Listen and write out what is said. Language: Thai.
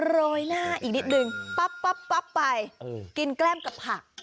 โรยหน้าอีกนิดนึงปั๊บไปกินแก้มกับผัก